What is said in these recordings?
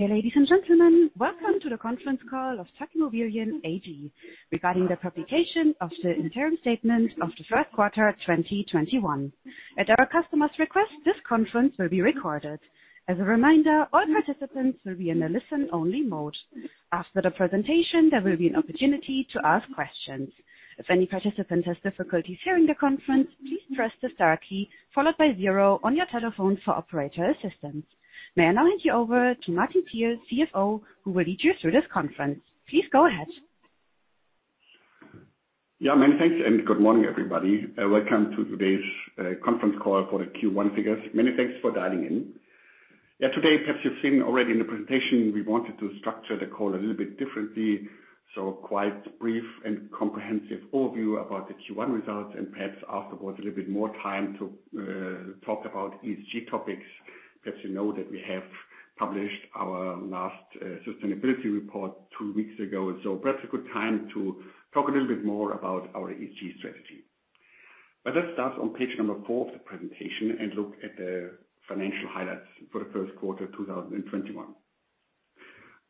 Ladies and gentlemen, welcome to the conference call of TAG Immobilien AG regarding the publication of the interim statement of the first quarter 2021. At our customers' request, this conference will be recorded. As a reminder, all participants will be in a listen-only mode. After the presentation, there will be an opportunity to ask questions. If any participant has difficulties hearing the conference, please press the star key followed by zero on your telephone for operator assistance. May I now hand you over to Martin Thiel, CFO, who will lead you through this conference. Please go ahead. Yeah, many thanks and good morning, everybody. Welcome to today's conference call for the Q1 figures. Many thanks for dialing in. Today, perhaps you've seen already in the presentation, we wanted to structure the call a little bit differently. Quite brief and comprehensive overview about the Q1 results, and perhaps afterwards a little bit more time to talk about ESG topics. Perhaps you know that we have published our last sustainability report two weeks ago, perhaps a good time to talk a little bit more about our ESG strategy. Let's start on page number four of the presentation and look at the financial highlights for the first quarter 2021.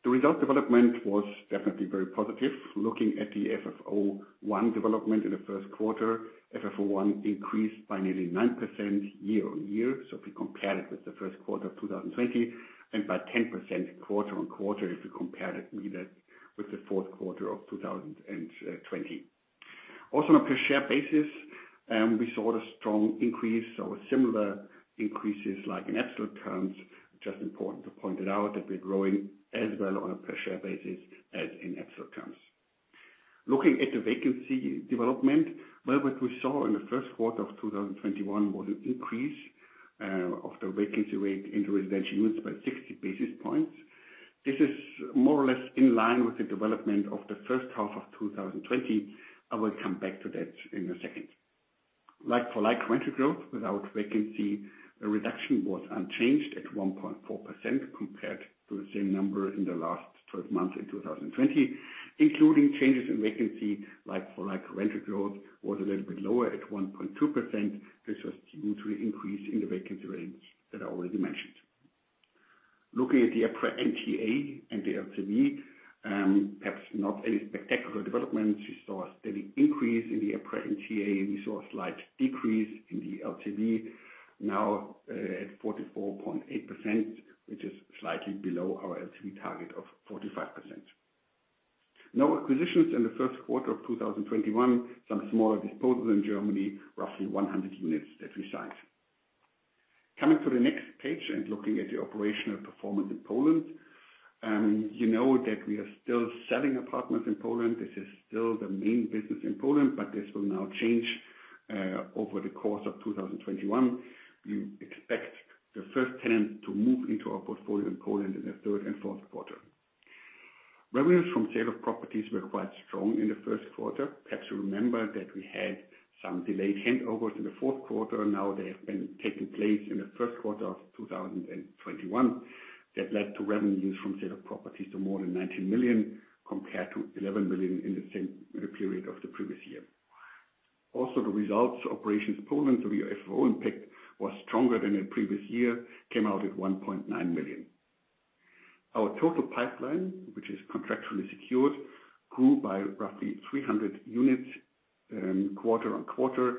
The result development was definitely very positive. Looking at the FFO I development in the first quarter, FFO I increased by nearly 9% year-on-year. If we compare it with Q1 2020 and by 10% quarter-on-quarter, if you compare it with Q4 2020. On a per share basis, we saw the strong increase or similar increases like in absolute terms. Important to point it out that we're growing as well on a per share basis as in absolute terms. Looking at the vacancy development, well, what we saw in Q1 2021 was an increase of the vacancy rate in residential units by 60 basis points. This is more or less in line with the development of the first half of 2020. I will come back to that in a second. Like-for-like rental growth without vacancy reduction was unchanged at 1.4% compared to the same number in the last 12 months in 2020, including changes in vacancy, like-for-like rental growth was a little bit lower at 1.2%. This was due to increase in the vacancy rates that I already mentioned. Looking at the EPRA NTA and the LTV, perhaps not any spectacular developments. We saw a steady increase in the EPRA NTA, and we saw a slight decrease in the LTV now at 44.8%, which is slightly below our LTV target of 45%. No acquisitions in the first quarter of 2021. Some smaller disposals in Germany, roughly 100 units that we signed. Coming to the next page and looking at the operational performance in Poland. You know that we are still selling apartments in Poland. This is still the main business in Poland. This will now change over the course of 2021. We expect the first tenant to move into our portfolio in Poland in the third and fourth quarter. Revenues from sale of properties were quite strong in Q1. Perhaps you remember that we had some delayed handovers in the fourth quarter. Now they have been taking place in Q1 2021. That led to revenues from sale of properties to more than 19 million compared to 11 million in the same period of the previous year. The results operations Poland through the FFO impact was stronger than in previous year. Came out at 1.9 million. Our total pipeline, which is contractually secured, grew by roughly 300 units quarter-on-quarter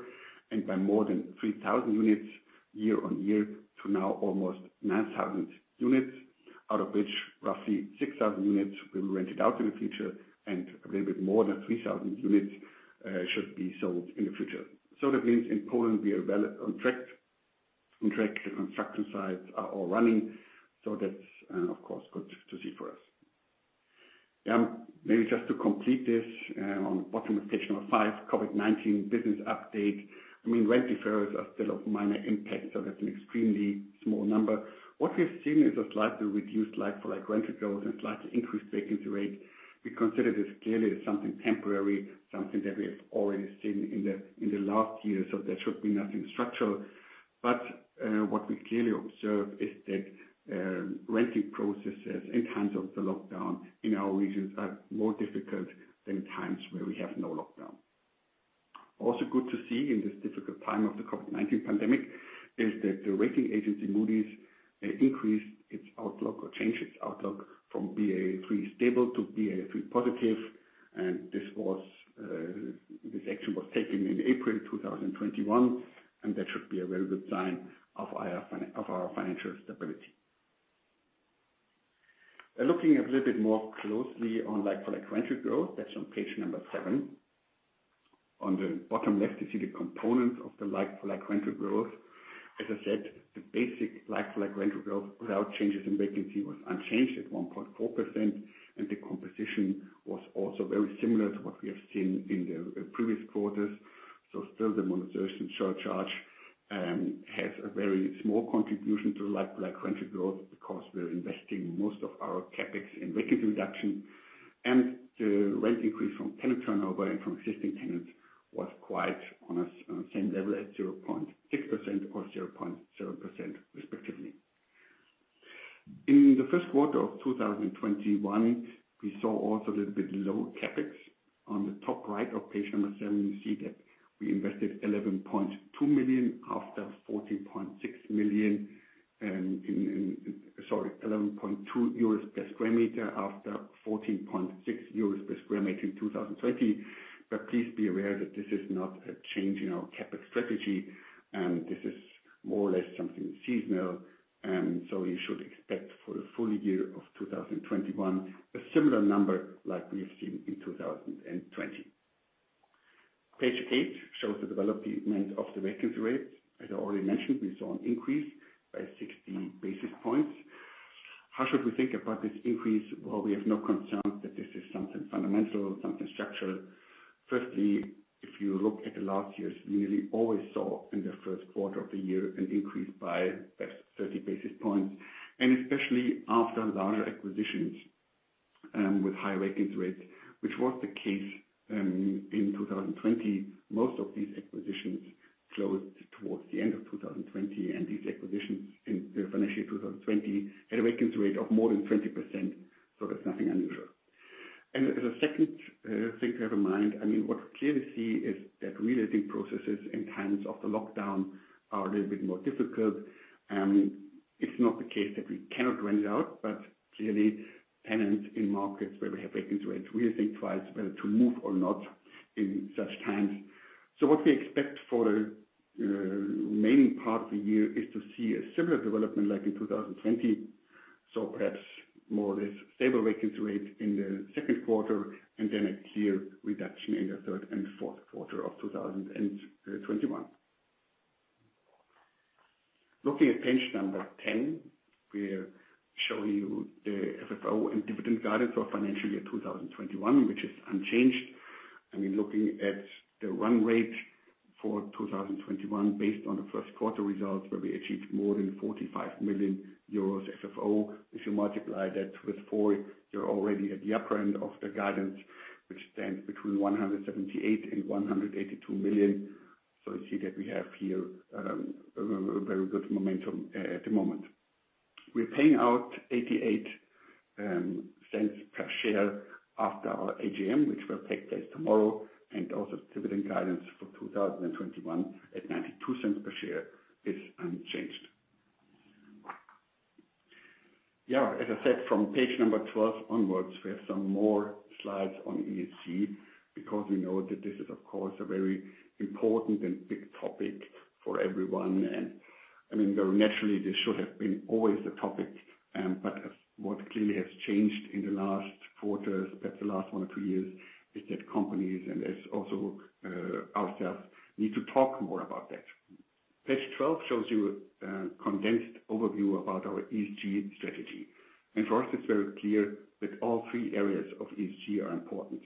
and by more than 3,000 units year on year to now almost 9,000 units, out of which roughly 6,000 units will be rented out in the future and a little bit more than 3,000 units should be sold in the future. That means in Poland we are well on track. Construction sites are all running, that's of course good to see for us. Maybe just to complete this on bottom of page number five, COVID-19 business update. Rent deferrals are still of minor impact, that's an extremely small number. What we've seen is a slightly reduced like-for-like rental growth and slightly increased vacancy rate. We consider this clearly as something temporary, something that we have already seen in the last year, there should be nothing structural. What we clearly observe is that renting processes in times of the lockdown in our regions are more difficult than times where we have no lockdown. Good to see in this difficult time of the COVID-19 pandemic is that the rating agency, Moody's, increased its outlook or changed its outlook from Ba3 stable to Ba3 positive. This action was taken in April 2021, and that should be a very good sign of our financial stability. Looking a little bit more closely on like-for-like rental growth. That's on page number seven. On the bottom left, you see the components of the like-for-like rental growth. As I said, the basic like-for-like rental growth without changes in vacancy was unchanged at 1.4%, and the composition was also very similar to what we have seen in the previous quarters. Still the modernization surcharge has a very small contribution to like-for-like rental growth because we're investing most of our CapEx in vacancy reduction. The rent increase from tenant turnover and from existing tenants was quite on a same level as 0.6% or 0.0% respectively. In the first quarter of 2021, we saw also a little bit low CapEx. On the top right of page number seven, you see that we invested 11.2 per square meter after 14.6 euros per square meter in 2020. Please Looking at page number 10, we're showing you the FFO and dividend guidance for financial year 2021, which is unchanged. I mean, looking at the run rate for 2021, based on the first quarter results, where we achieved more than 45 million euros FFO. If you multiply that with four, you're already at the upper end of the guidance, which stands between 178 million and 182 million. You see that we have here a very good momentum at the moment. We're paying out 0.88 per share after our AGM, which will take place tomorrow, and also dividend guidance for 2021 at 0.92 per share is unchanged. As I said, from page number 12 onwards, we have some more slides on ESG because we know that this is, of course, a very important and big topic for everyone, and I mean, very naturally, this should have been always a topic. What clearly has changed in the last quarters, perhaps the last one or two years, is that companies, and as also ourselves, need to talk more about that. Page 12 shows you a condensed overview about our ESG strategy. For us, it's very clear that all three areas of ESG are important.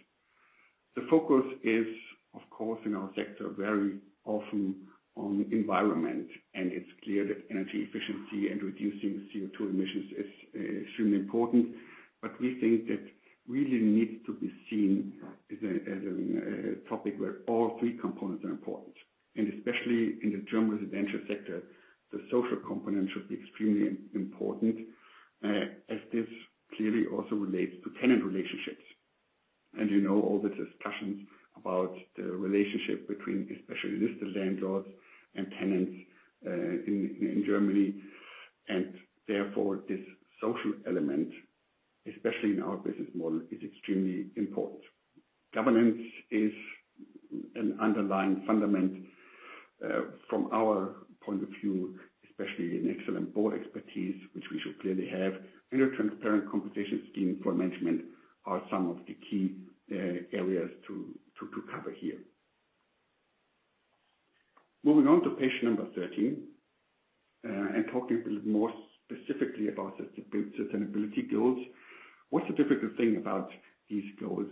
The focus is, of course, in our sector, very often on environment, and it's clear that energy efficiency and reducing CO2 emissions is extremely important. We think that really needs to be seen as a topic where all three components are important. Especially in the German residential sector, the social component should be extremely important, as this clearly also relates to tenant relationships. You know all the discussions about the relationship between especially listed landlords and tenants in Germany, and therefore this social element, especially in our business model, is extremely important. Governance is an underlying fundament from our point of view, especially in excellent board expertise, which we should clearly have, and a transparent compensation scheme for management are some of the key areas to cover here. Moving on to page number 13, and talking a little bit more specifically about sustainability goals. What's the difficult thing about these goals?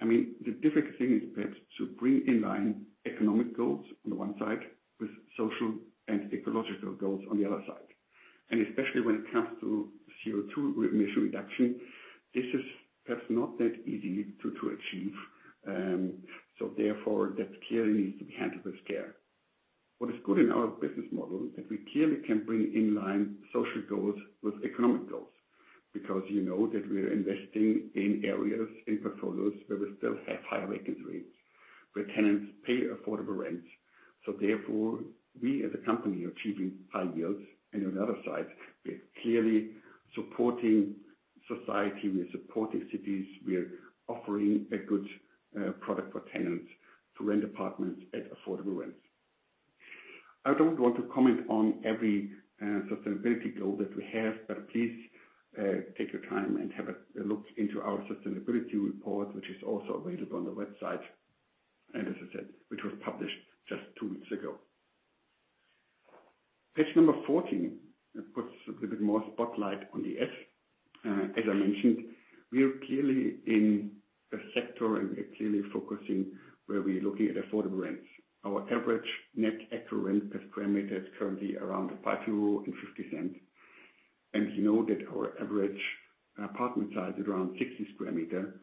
I mean, the difficult thing is perhaps to bring in line economic goals on the one side with social and ecological goals on the other side. Especially when it comes to CO2 emission reduction, this is perhaps not that easy to achieve. Therefore, that clearly needs to be handled with care. What is good in our business model is that we clearly can bring in line social goals with economic goals because you know that we are investing in areas in portfolios where we still have high vacancy rates, where tenants pay affordable rents. Therefore, we as a company are achieving high yields, and on the other side, we are clearly supporting society, we are supporting cities, we are offering a good product for tenants to rent apartments at affordable rents. I don't want to comment on every sustainability goal that we have. Please take your time and have a look into our sustainability report, which is also available on the website. As I said, which was published just two weeks ago. Page number 14 puts a little bit more spotlight on the S. As I mentioned, we are clearly in a sector and we are clearly focusing where we are looking at affordable rents. Our average net cold rent per square meter is currently around 5.50 euro. You know that our average apartment size is around 60 square meter.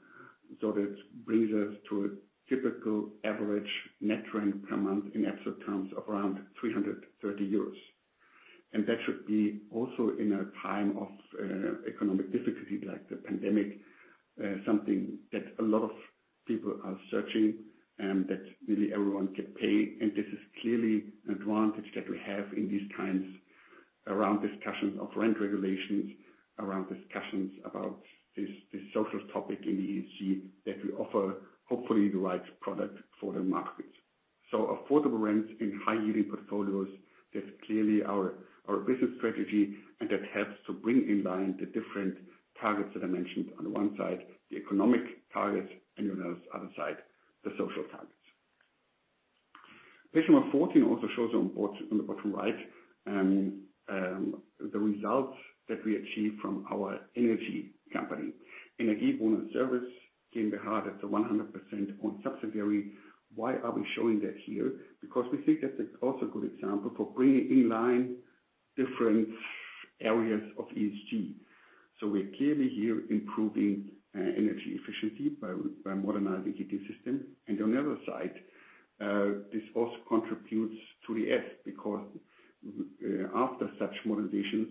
That brings us to a typical average net rent per month in absolute terms of around 330 euros. That should be also in a time of economic difficulty, like the pandemic, something that a lot of people are searching and that really everyone can pay. This is clearly an advantage that we have in these times around discussions of rent regulations, around discussions about this social topic in the ESG, that we offer, hopefully, the right product for the market. Affordable rents in high-yielding portfolios, that's clearly our business strategy, and that helps to bring in line the different targets that I mentioned. On the one side, the economic targets, and on the other side, the social targets. Page number 14 also shows on the bottom right the results that we achieved from our energy company. Energie Wohnen Service GmbH, that's a 100% owned subsidiary. Why are we showing that here? We think that it's also a good example for bringing in line different areas of ESG. We're clearly here improving energy efficiency by modernizing heating system. On the other side, this also contributes to the S, because after such modernization,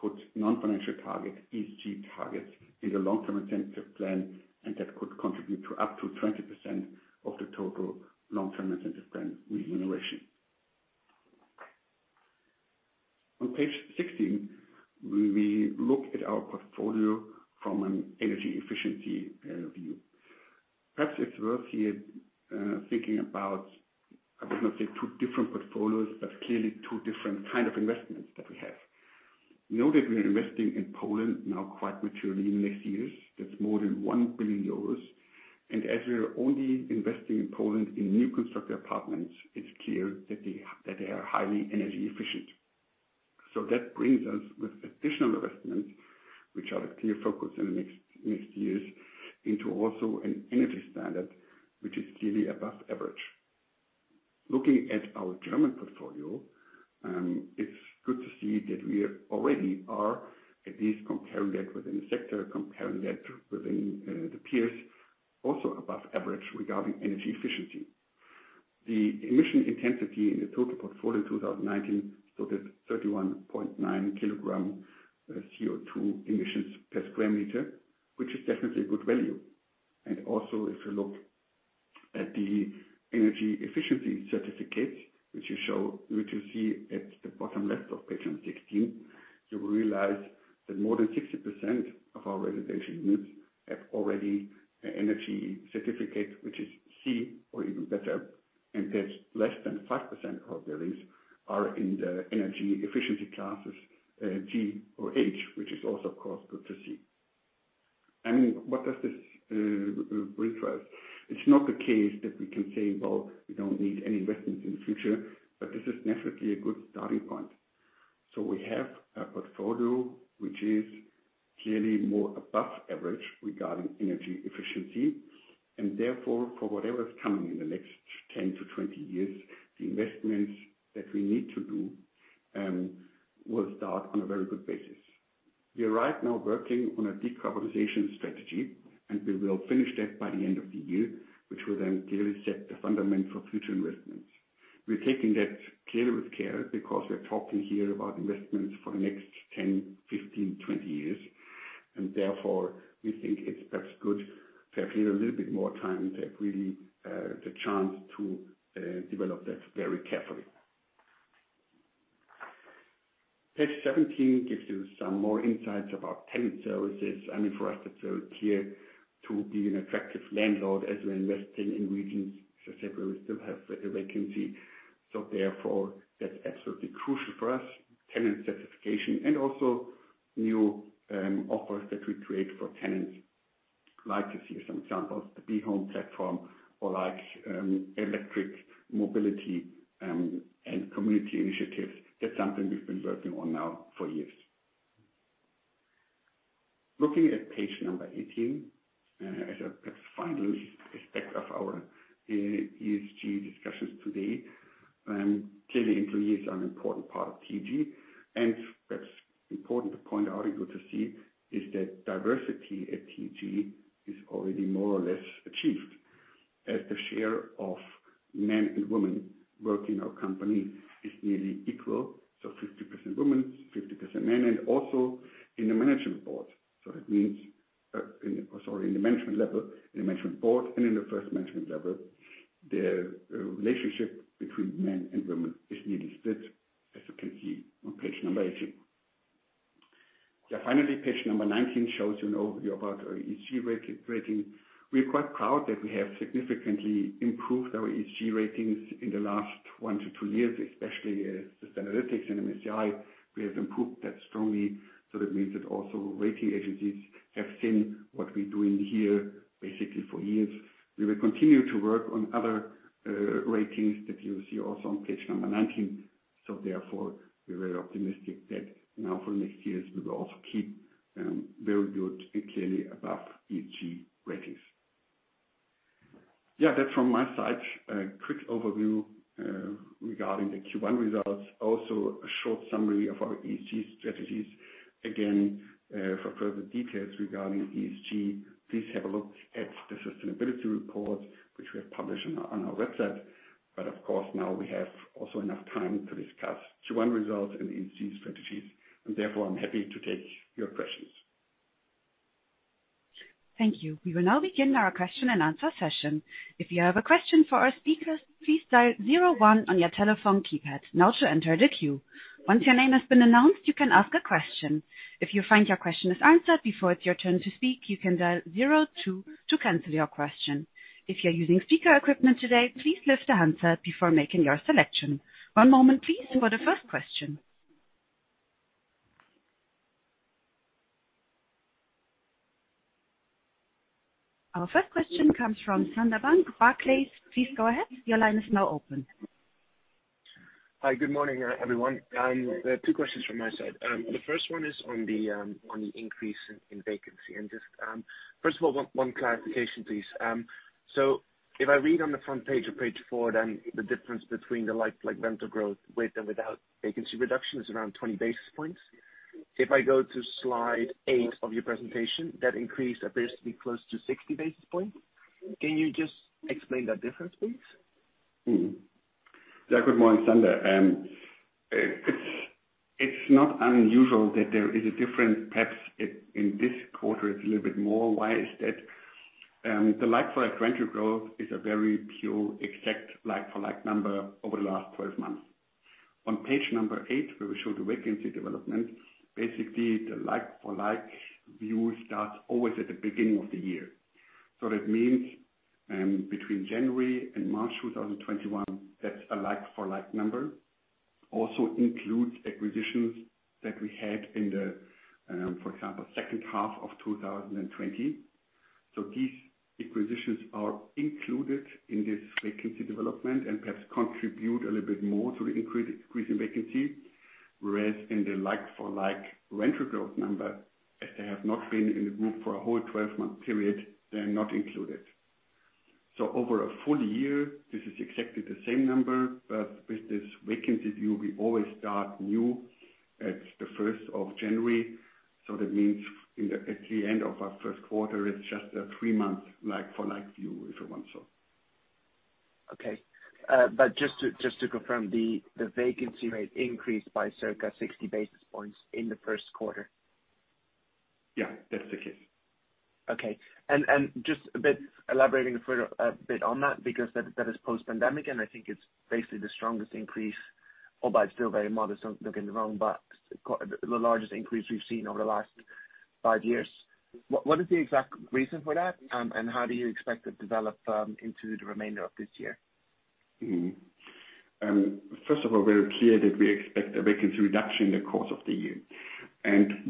to put non-financial targets, ESG targets in the long-term incentive plan, and that could contribute to up to 20% of the total long-term incentive plan remuneration. On page 16, we look at our portfolio from an energy efficiency view. Perhaps it's worth here thinking about, I would not say two different portfolios, but clearly two different kind of investments that we have. We know that we are investing in Poland now quite maturely in the next years. That's more than 1 billion euros. As we are only investing in Poland in new constructed apartments, it's clear that they are highly energy efficient. That brings us with additional investments, which are the clear focus in the next years into also an energy standard, which is clearly above average. Looking at our German portfolio, it is good to see that we already are, at least comparing that within the sector, comparing that within the peers, also above average regarding energy efficiency. The emission intensity in the total portfolio 2019 stood at 31.9 kilogram CO2 emissions per sq m, which is definitely a good value. Also, if you look at the energy efficiency certificate, which you see at the bottom left of page number 16, you realize that more than 60% of our residential units have already an energy certificate, which is C or even better, and that less than 5% of buildings are in the energy efficiency classes G or H, which is also, of course, good to see. What does this bring to us? It's not the case that we can say, well, we don't need any investments in the future, but this is definitely a good starting point. We have a portfolio which is clearly more above average regarding energy efficiency, and therefore, for whatever's coming in the next 10-20 years, the investments that we need to do will start on a very good basis. We are right now working on a decarbonization strategy, and we will finish that by the end of the year, which will then clearly set the fundament for future investments. We're taking that clearly with care because we're talking here about investments for the next 10, 15, 20 years, and therefore we think it's perhaps good to have clearly a little bit more time to have really the chance to develop that very carefully. Page 17 gives you some more insights about tenant services. I mean, for us, it's very clear to be an attractive landlord as we're investing in regions where we still have a vacancy. Therefore, that's absolutely crucial for us, tenant certification, and also new offers that we create for tenants. Like you see some examples, the BeHome platform or electric mobility, and community initiatives. That's something we've been working on now for years. Looking at page number 18, as a final aspect of our ESG discussions today, clearly employees are an important part of TAG. What's important to point out and good to see is that diversity at TAG is already more or less achieved, as the share of men and women working in our company is nearly equal. 50% women, 50% men, and also in the management board. Sorry, in the management level, in the management board, and in the first management level, the relationship between men and women is nearly split, as you can see on page number 18. Finally, page number 19 shows you an overview about our ESG rating. We are quite proud that we have significantly improved our ESG ratings in the last one to two years, especially the Sustainalytics and MSCI. We have improved that strongly. That means that also rating agencies have seen what we're doing here basically for years. We will continue to work on other ratings that you see also on page number 19. Therefore, we're very optimistic that now for next year, we will also keep very good and clearly above ESG ratings. Yeah, that's from my side. A quick overview regarding the Q1 results, also a short summary of our ESG strategies. Again, for further details regarding ESG, please have a look at the sustainability report, which we have published on our website. Of course, now we have also enough time to discuss Q1 results and ESG strategies, and therefore I'm happy to take your questions. Thank you. We will now begin our question and answer session. One moment please for the first question. Our first question comes from Sander Bunck, Barclays. Please go ahead. Your line is now open. Hi. Good morning, everyone. Two questions from my side. The first one is on the increase in vacancy. Just, first of all, one clarification, please. If I read on the front page of page four, the difference between the like-for-like rental growth with and without vacancy reduction is around 20 basis points. If I go to slide eight of your presentation, that increase appears to be close to 60 basis points. Can you just explain that difference, please? Good morning, Sander. It's not unusual that there is a difference. Perhaps in this quarter it's a little bit more. Why is that? The like-for-like rental growth is a very pure exact like-for-like number over the last 12 months. On page number eight, where we show the vacancy development, basically the like-for-like view starts always at the beginning of the year. That means between January and March 2021, that's a like-for-like number. Also includes acquisitions that we had in the, for example, second half of 2020. These acquisitions are included in this vacancy development and perhaps contribute a little bit more to the increase in vacancy. Whereas in the like-for-like rental growth number, as they have not been in the group for a whole 12-month period, they're not included. Over a full year, this is exactly the same number. With this vacancy view, we always start new at the 1st of January. That means at the end of our first quarter, it is just a three-month like-for-like view, if you want so. Okay. Just to confirm, the vacancy rate increased by circa 60 basis points in the first quarter? Yeah, that's the case. Okay. Just elaborating a bit on that, because that is post-pandemic, and I think it's basically the strongest increase, although it's still very modest, don't get me wrong. The largest increase we've seen over the last five years. What is the exact reason for that, and how do you expect it to develop into the remainder of this year? We're clear that we expect a vacancy reduction in the course of the year.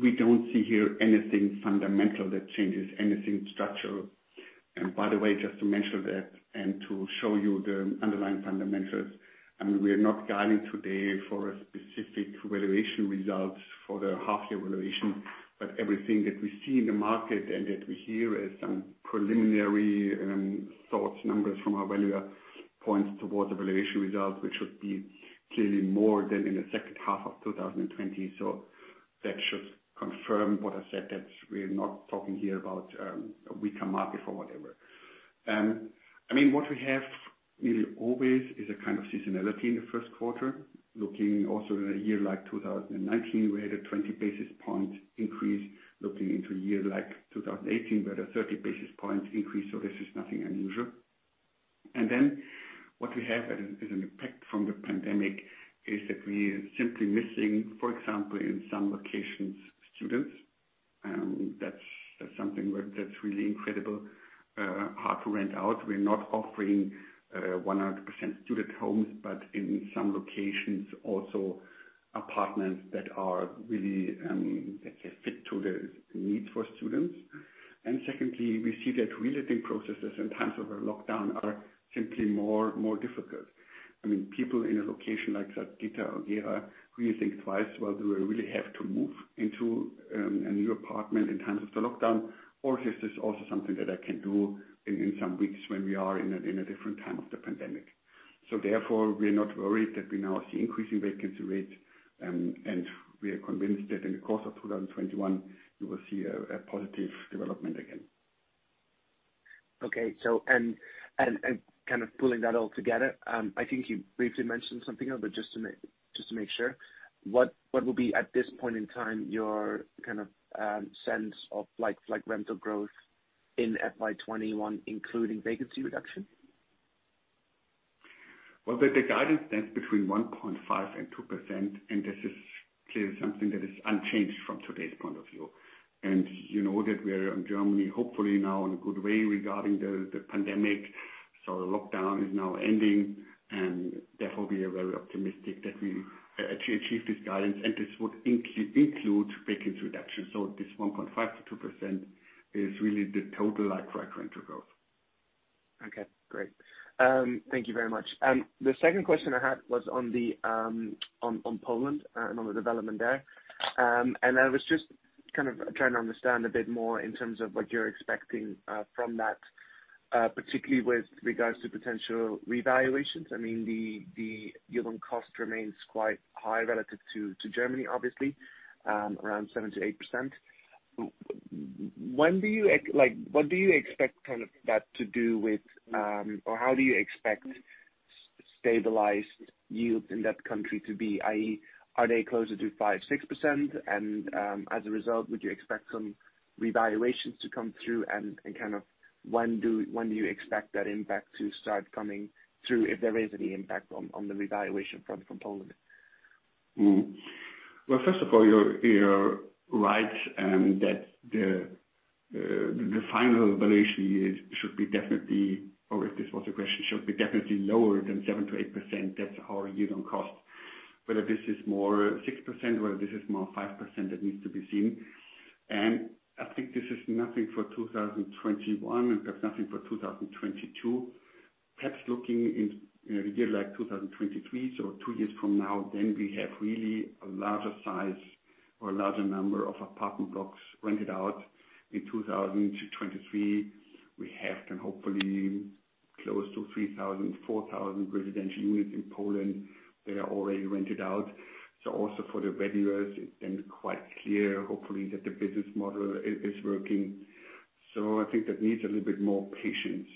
We don't see here anything fundamental that changes anything structural. By the way, just to mention that and to show you the underlying fundamentals, we are not guiding today for a specific valuation result for the half year valuation. Everything that we see in the market and that we hear as some preliminary thoughts, numbers from our valuer points towards a valuation result, which would be clearly more than in the second half of 2020. That should confirm what I said, that we're not talking here about a weaker market or whatever. What we have nearly always is a kind of seasonality in the first quarter. Looking also in a year like 2019, we had a 20 basis points increase. Looking into a year like 2018, we had a 30 basis points increase. This is nothing unusual. What we have as an impact from the pandemic is that we are simply missing, for example, in some locations, students. That's something that's really incredible hard to rent out. We're not offering 100% student homes, but in some locations also apartments that are really a fit to the needs for students. Secondly, we see that relating processes in times of a lockdown are simply more difficult. People in a location like Salzgitter or Gera really think twice, whether we really have to move into a new apartment in times of the lockdown, or is this also something that I can do in some weeks when we are in a different time of the pandemic. Therefore, we are not worried that we now see increasing vacancy rates, and we are convinced that in the course of 2021, you will see a positive development again. Okay. Kind of pulling that all together, I think you briefly mentioned something, but just to make sure. What will be, at this point in time, your sense of rental growth in FY 2021, including vacancy reduction? Well, the guidance stands between 1.5% and 2%, and this is clearly something that is unchanged from today's point of view. You know that we are in Germany, hopefully now in a good way regarding the pandemic. The lockdown is now ending, and therefore we are very optimistic that we achieve this guidance, and this would include vacancy reduction. This 1.5%-2% is really the total like-for-like rental growth. Okay, great. Thank you very much. The second question I had was on Poland and on the development there. I was just trying to understand a bit more in terms of what you're expecting from that, particularly with regards to potential revaluations. The yield on cost remains quite high relative to Germany, obviously, around 7%-8%. What do you expect that to do with, or how do you expect stabilized yields in that country to be, i.e., are they closer to 5%, 6%? As a result, would you expect some revaluations to come through? When do you expect that impact to start coming through, if there is any impact on the revaluation from Poland? Well, first of all, you're right that the final valuation should be definitely, or if this was your question, should be definitely lower than 7%-8%. That's our yield on cost. Whether this is more 6% or whether this is more 5%, that needs to be seen. I think this is nothing for 2021, and perhaps nothing for 2022. Perhaps looking in a year like 2023, so two years from now, then we have really a larger size or a larger number of apartment blocks rented out. In 2023, we have then hopefully close to 3,000, 4,000 residential units in Poland that are already rented out. Also for the valuers, it's then quite clear, hopefully, that the business model is working. I think that needs a little bit more patience.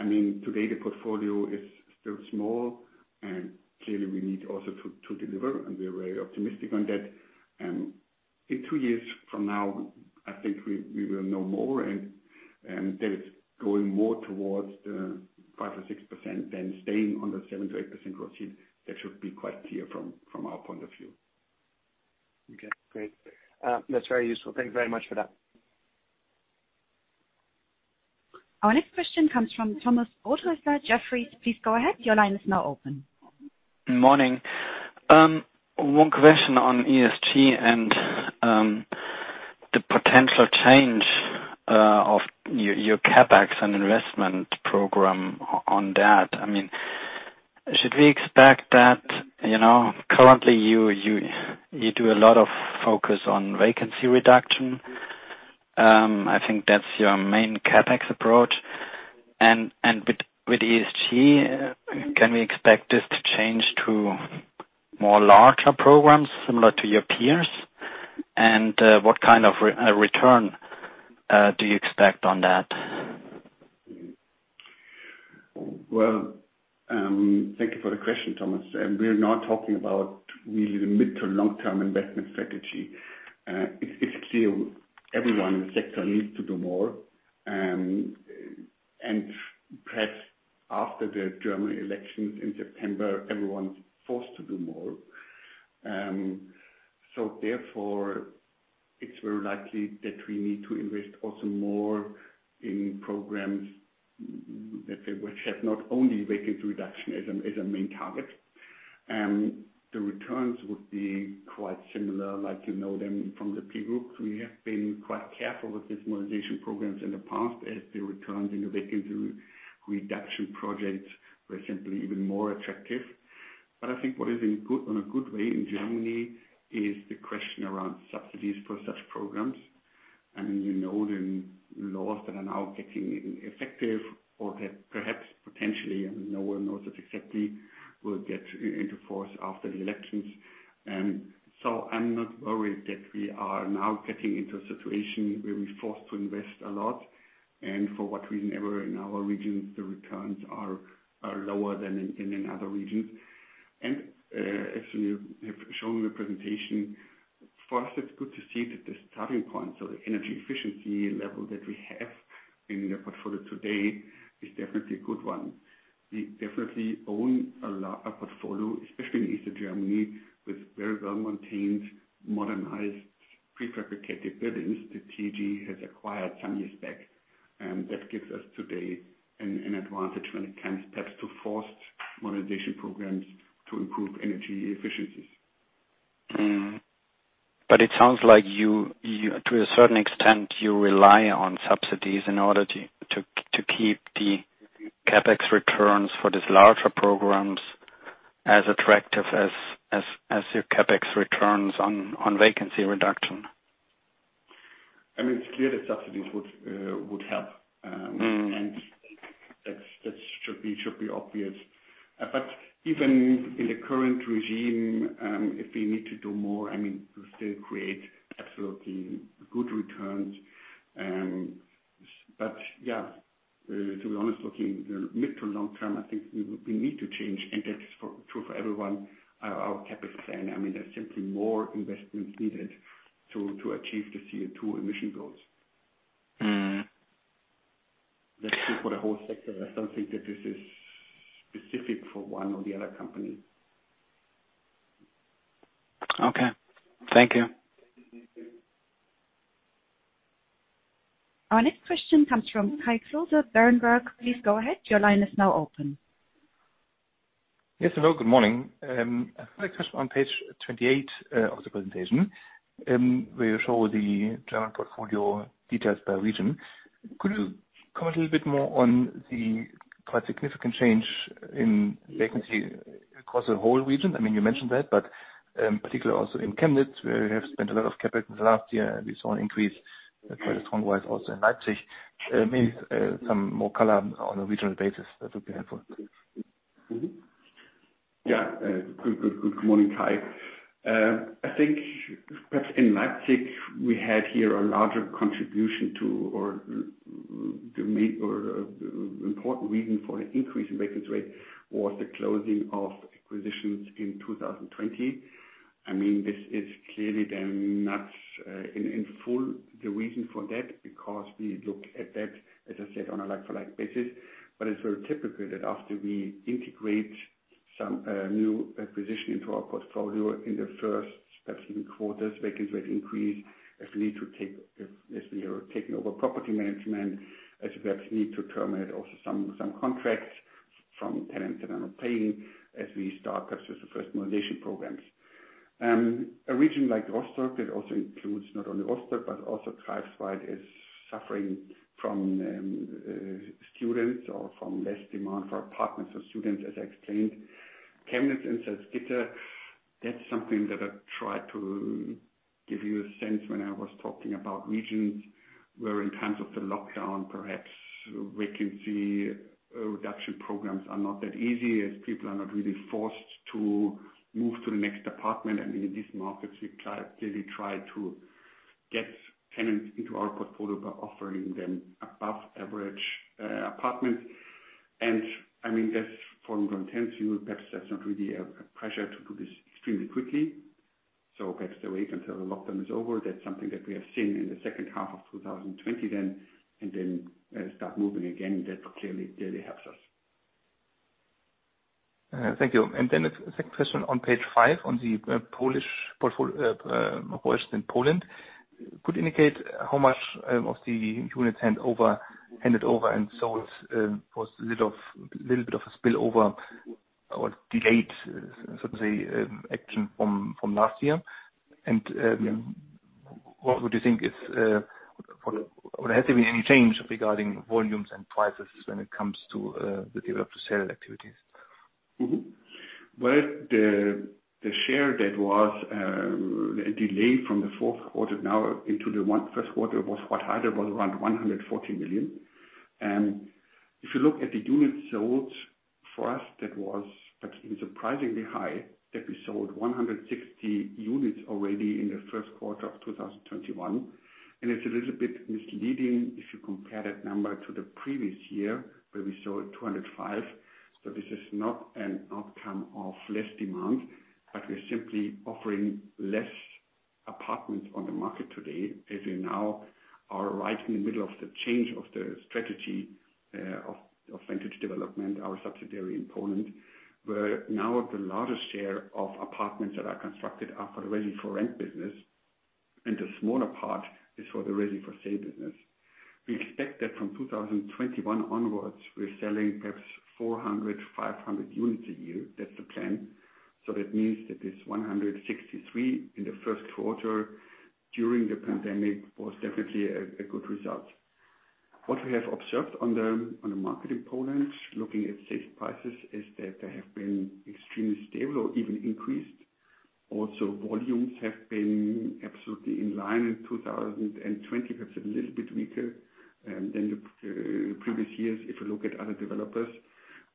Today the portfolio is still small, and clearly we need also to deliver, and we are very optimistic on that. In two years from now, I think we will know more, and that it's going more towards the 5% or 6% than staying on the 7%-8% gross yield. That should be quite clear from our point of view. Okay, great. That's very useful. Thank you very much for that. Our next question comes from Thomas Rothäusler. Jefferies, please go ahead. Your line is now open. Morning. One question on ESG and the potential change of your CapEx and investment program on that. Should we expect that, currently you do a lot of focus on vacancy reduction. I think that's your main CapEx approach. With ESG, can we expect this to change to more larger programs similar to your peers? What kind of return do you expect on that? Well, thank you for the question, Thomas. We are now talking about really the mid to long-term investment strategy. It's clear everyone in the sector needs to do more, and perhaps after the German elections in September, everyone's forced to do more. Therefore it's very likely that we need to invest also more in programs that have not only vacancy reduction as a main target. The returns would be quite similar, like you know them from the peer groups. We have been quite careful with this modernization programs in the past as the returns in the vacancy reduction projects were simply even more attractive. I think what is in a good way in Germany is the question around subsidies for such programs, and you know the laws that are now getting effective or that perhaps potentially, and no one knows it exactly, will get into force after the elections. I'm not worried that we are now getting into a situation where we're forced to invest a lot. For what reason ever in our regions, the returns are lower than in other regions. As we have shown in the presentation, for us, it's good to see that the starting point, so the energy efficiency level that we have in the portfolio today is definitely a good one. We definitely own a portfolio, especially in Eastern Germany, with very well-maintained, modernized, prefabricated buildings that TAG has acquired some years back. That gives us today an advantage when it comes perhaps to forced modernization programs to improve energy efficiencies. It sounds like to a certain extent, you rely on subsidies in order to keep the CapEx returns for these larger programs as attractive as your CapEx returns on vacancy reduction. It's clear that subsidies would help. That should be obvious. Even in the current regime, if we need to do more, we still create absolutely good returns. Yeah, to be honest, looking the mid to long term, I think we need to change, and that is true for everyone. Our CapEx plan, there's simply more investments needed to achieve the CO2 emission goals. That's true for the whole sector. I don't think that this is specific for one or the other company. Okay. Thank you. Our next question comes from Kai Klose, Berenberg. Please go ahead. Your line is now open. Yes, hello. Good morning. I have a question on page 28 of the presentation, where you show the general portfolio details per region. Could you comment a little bit more on the quite significant change in vacancy across the whole region? You mentioned that, particularly also in Chemnitz, where you have spent a lot of CapEx in the last year, and we saw an increase quite a strong rise also in Leipzig. Maybe some more color on a regional basis, that would be helpful. Yeah. Good morning, Kai. I think perhaps in Leipzig, we had here a larger contribution to, or the important reason for the increase in vacancy rate was the closing of acquisitions in 2020. This is clearly then not in full the reason for that, because we look at that, as I said, on a like-for-like basis. It's very typical that after we integrate some new acquisition into our portfolio in the first perhaps even quarters, vacancy rate increase as we are taking over property management, as we perhaps need to terminate also some contracts from tenants that are not paying as we start perhaps with the first modernization programs. A region like Rostock, that also includes not only Rostock, but also Greifswald, is suffering from students or from less demand for apartments for students, as I explained. Chemnitz and Salzgitter, that's something that I tried to give you a sense when I was talking about regions, where in times of the lockdown, perhaps vacancy reduction programs are not that easy, as people are not really forced to move to the next apartment. In these markets, we clearly try to get tenants into our portfolio by offering them above average apartments. That's for context, perhaps that's not really a pressure to do this extremely quickly. Perhaps they wait until the lockdown is over. That's something that we have seen in the second half of 2020 then, and then start moving again. That clearly helps us. Thank you. A second question on page five on the Polish Western Poland, could you indicate how much of the units handed over and sold was little bit of a spillover or delayed action from last year? What would you think, has there been any change regarding volumes and prices when it comes to the develop-to-sale activities? Well, the share that was delayed from the fourth quarter now into the first quarter was quite high. That was around 140 million. If you look at the units sold, for us that was actually surprisingly high, that we sold 160 units already in the first quarter of 2021. It's a little bit misleading if you compare that number to the previous year, where we sold 205. This is not an outcome of less demand, but we're simply offering less apartments on the market today as we now are right in the middle of the change of the strategy of Vantage Development, our subsidiary in Poland, where now the largest share of apartments that are constructed are for the ready for rent business. The smaller part is for the ready for sale business. We expect that from 2021 onwards, we're selling perhaps 400-500 units a year. That's the plan. That means that this 163 in the first quarter during the pandemic was definitely a good result. What we have observed on the market in Poland, looking at sales prices, is that they have been extremely stable or even increased. Volumes have been absolutely in line in 2020, perhaps a little bit weaker than the previous years if you look at other developers.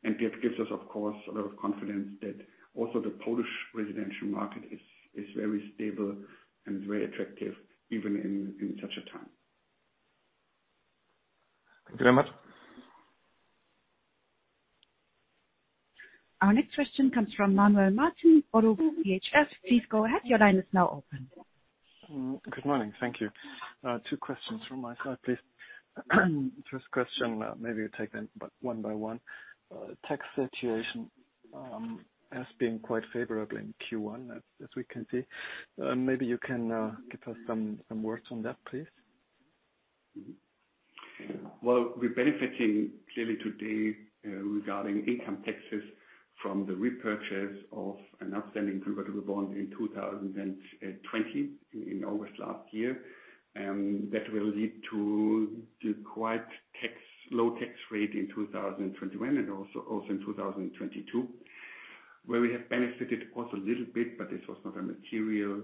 That gives us, of course, a lot of confidence that also the Polish residential market is very stable and very attractive even in such a time. Thank you very much. Our next question comes from Manuel Martin, Oddo BHF. Please go ahead. Your line is now open. Good morning. Thank you. Two questions from my side, please. First question, maybe you take them one by one. Tax situation as being quite favorable in Q1 as we can see. Maybe you can give us some words on that, please. Well, we're benefiting clearly today regarding income taxes from the repurchase of an outstanding convertible bond in 2020 in August last year. That will lead to quite low tax rate in 2021 and also in 2022, where we have benefited also a little bit, but this was not a material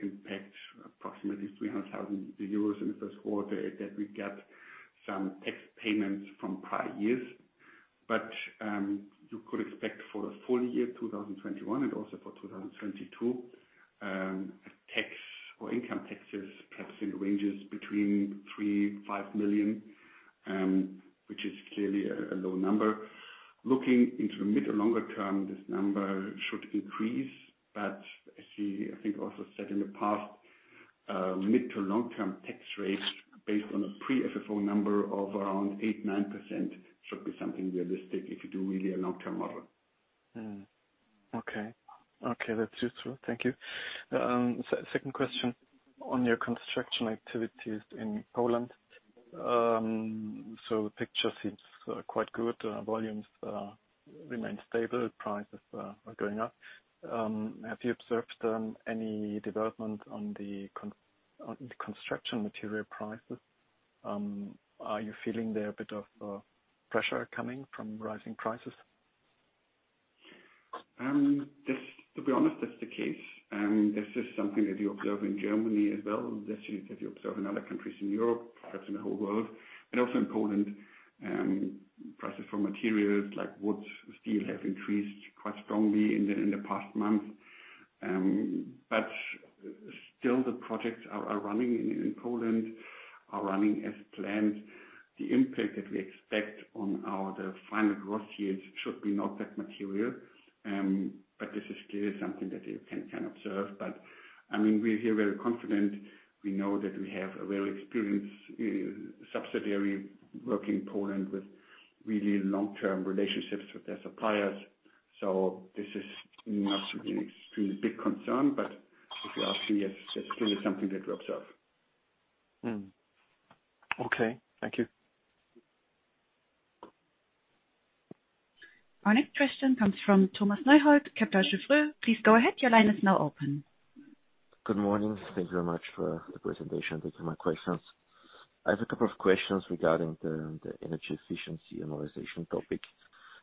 impact, approximately 300,000 euros in the first quarter that we got some tax payments from prior years. You could expect for the full year 2021 and also for 2022, tax or income taxes perhaps in the ranges between 3 million-5 million, which is clearly a low number. Looking into the mid or longer term, this number should increase. As I think also said in the past, mid to long term tax rates based on a pre-FFO number of around 8%-9% should be something realistic if you do really a long-term model. Okay. That's useful. Thank you. Second question on your construction activities in Poland. The picture seems quite good. Volumes remain stable, prices are going up. Have you observed any development on the construction material prices? Are you feeling there a bit of pressure coming from rising prices? To be honest, that's the case. This is something that you observe in Germany as well, that you observe in other countries in Europe, perhaps in the whole world, and also in Poland. Prices for materials like wood, steel, have increased quite strongly in the past month. Still the projects are running in Poland, are running as planned. The impact that we expect on the final gross yields should be not that material. This is clearly something that you can observe. We're here very confident. We know that we have a well experienced subsidiary working in Poland with really long-term relationships with their suppliers. This is not an extremely big concern. If you ask me, it's clearly something that we observe. Okay. Thank you. Our next question comes from Thomas Neuhold, Kepler Cheuvreux. Good morning. Thank you very much for the presentation. These are my questions. I have a couple of questions regarding the energy efficiency modernization topic.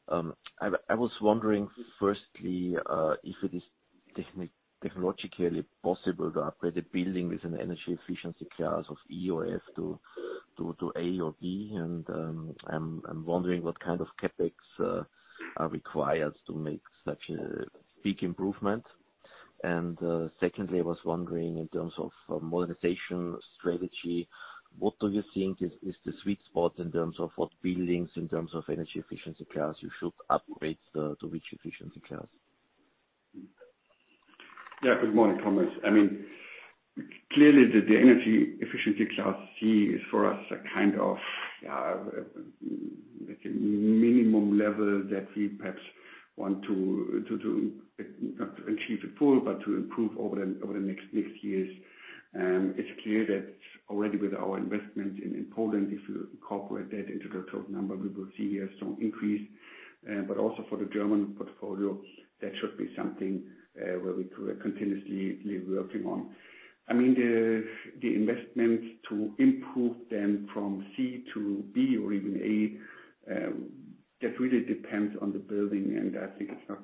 I was wondering, firstly, if it is technologically possible to upgrade a building with an energy efficiency class of E or F to A or B, and I'm wondering what kind of CapEx are required to make such a big improvement. Secondly, I was wondering in terms of modernization strategy, what do you think is the sweet spot in terms of what buildings in terms of energy efficiency class you should upgrade to which efficiency class? Yeah. Good morning, Thomas. Clearly, the energy efficiency class C is, for us, a kind of minimum level that we perhaps want to, not to achieve it full, but to improve over the next years. It's clear that already with our investment in Poland, if you incorporate that into the total number, we will see here some increase. Also for the German portfolio, that should be something where we continuously working on. The investment to improve them from C to B or even A, that really depends on the building, and I think it's not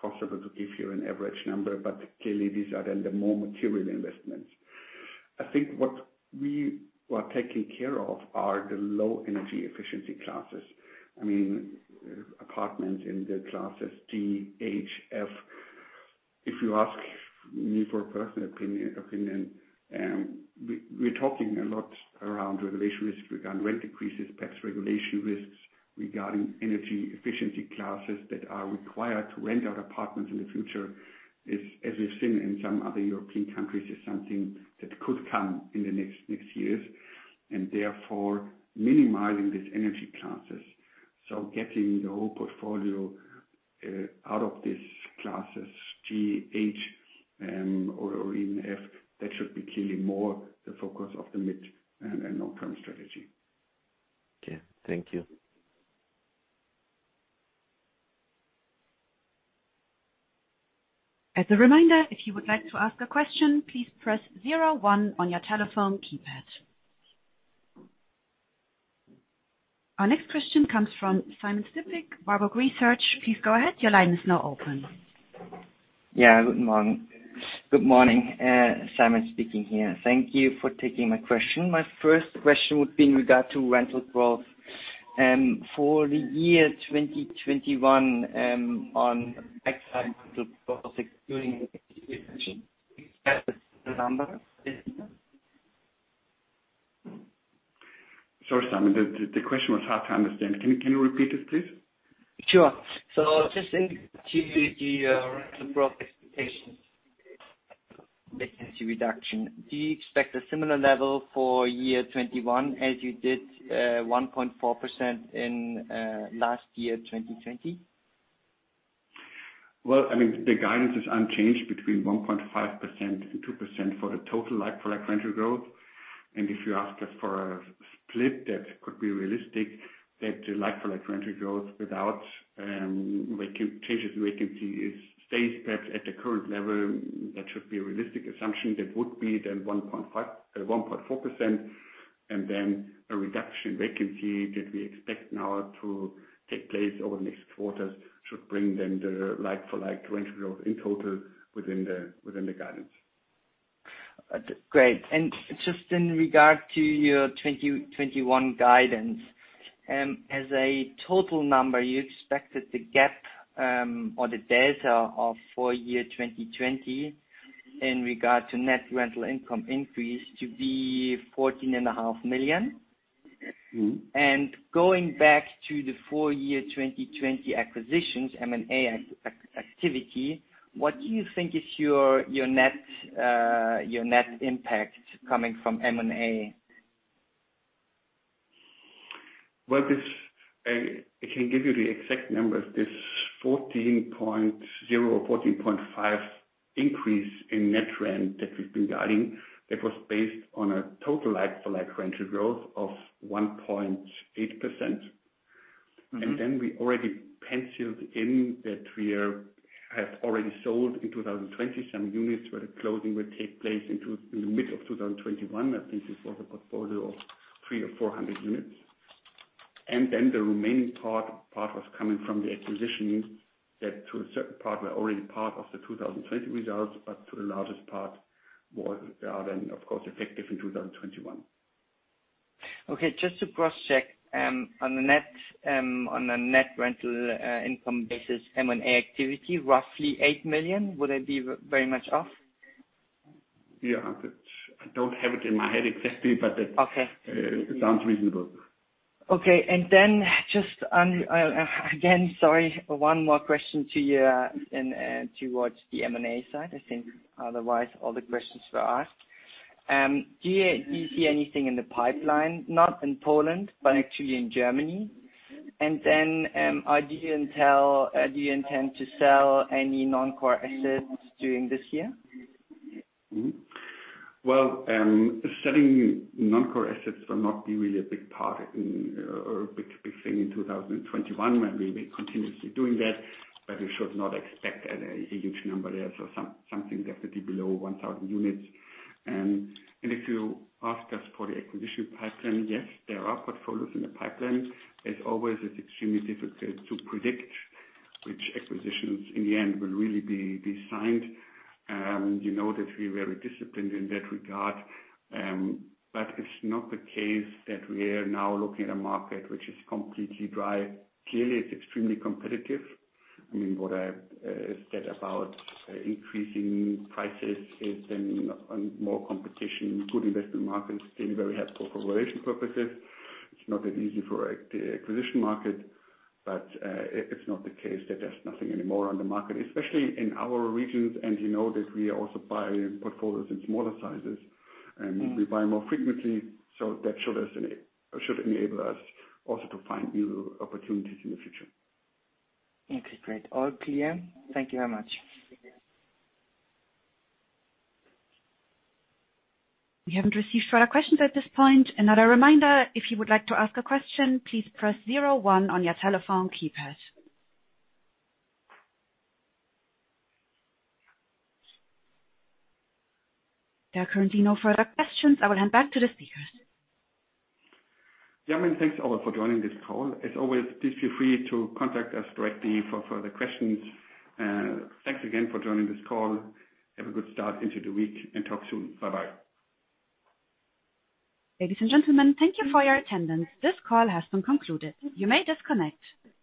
possible to give you an average number. Clearly these are then the more material investments. I think what we are taking care of are the low energy efficiency classes, apartments in the classes D, H, F. If you ask me for a personal opinion, we're talking a lot around renovation risks, regarding rent increases, perhaps regulation risks regarding energy efficiency classes that are required to rent out apartments in the future, as we've seen in some other European countries, is something that could come in the next years, and therefore minimizing these energy classes. Getting the whole portfolio out of these classes, G, H, or even F, that should be clearly more the focus of the mid and long-term strategy. Okay. Thank you. As a reminder, if you would like to ask a question, please press zero one on your telephone keypad. Our next question comes from Simon Stippig, Warburg Research. Please go ahead. Your line is now open. Good morning. Simon speaking here. Thank you for taking my question. My first question would be in regard to rental growth. For the year 2021, on rental growth, including the modernization, do you have the number this year? Sorry, Simon. The question was hard to understand. Can you repeat it, please? Just to the rental growth expectations vacancy reduction, do you expect a similar level for year 2021 as you did 1.4% in last year, 2020? Well, the guidance is unchanged between 1.5% and 2% for the total like-for-like rental growth. If you ask us for a split that could be realistic, that like-for-like rental growth without changes in vacancy stays perhaps at the current level, that should be a realistic assumption. That would be then 1.4%. A reduction in vacancy that we expect now to take place over the next quarters should bring then the like-for-like rental growth in total within the guidance. Great. Just in regard to your 2021 guidance, as a total number, you expected the gap, or the delta of full year 2020 in regard to net rental income increase to be 14.5 million. Going back to the full year 2020 acquisitions, M&A activity, what do you think is your net impact coming from M&A? Well, I can give you the exact numbers. This 14.0% or 14.5% increase in net rent that we've been guiding, that was based on a total like-for-like rental growth of 1.8%. We already penciled in that we have already sold in 2020 some units where the closing will take place in the mid of 2021. I think it was a portfolio of three or 400 units. The remaining part was coming from the acquisitions, that a certain part were already part of the 2020 results, but to the largest part were then, of course, effective in 2021. Okay. Just to cross-check, on the net rental income basis M&A activity, roughly 8 million? Would I be very much off? Yeah. I don't have it in my head exactly. Okay. Sounds reasonable. Okay. Again, sorry, one more question to you towards the M&A side. I think otherwise all the questions were asked. Do you see anything in the pipeline, not in Poland, but actually in Germany? Do you intend to sell any non-core assets during this year? Selling non-core assets will not be really a big thing in 2021. We'll be continuously doing that, you should not expect a huge number there. Something definitely below 1,000 units. If you ask us for the acquisition pipeline, yes, there are portfolios in the pipeline. As always, it's extremely difficult to predict which acquisitions in the end will really be signed. You know that we're very disciplined in that regard. It's not the case that we are now looking at a market which is completely dry. Clearly, it's extremely competitive. What I said about increasing prices and more competition, good investment markets, still very helpful for valuation purposes. It's not that easy for the acquisition market. It's not the case that there's nothing anymore on the market, especially in our regions. You know that we also buy portfolios in smaller sizes, and we buy more frequently. That should enable us also to find new opportunities in the future. Okay, great. All clear. Thank you very much. We haven't received further questions at this point. Another reminder, if you would like to ask a question, please press zero one on your telephone keypad. There are currently no further questions. I will hand back to the speakers. Gentlemen, thanks all for joining this call. As always, please feel free to contact us directly for further questions. Thanks again for joining this call. Have a good start into the week, and talk soon. Bye-bye. Ladies and gentlemen, thank you for your attendance. This call has been concluded. You may disconnect.